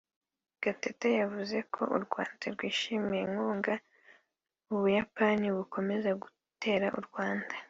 Gatete yavuze ko u Rwanda rwishimiye inkunga u Buyapani bukomeza gutera u Rwanda